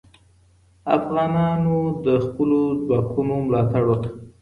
افغانانو د خپلو ځواکونو ملاتړ وکړ.